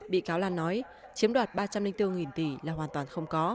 bị cáo lan nói chiếm đoạt ba trăm linh bốn tỷ là hoàn toàn không có